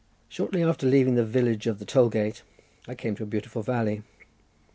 Shortly after leaving the village of the toll gate I came to a beautiful valley.